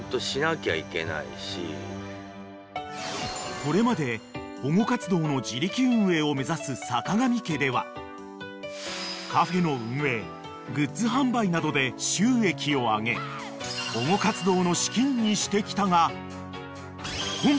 ［これまで保護活動の自力運営を目指すさかがみ家ではカフェの運営グッズ販売などで収益を上げ保護活動の資金にしてきたが］